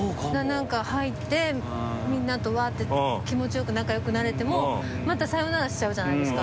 何か入ってみんなとワって気持ちよく仲良くなれてもまたさよならしちゃうじゃないですか。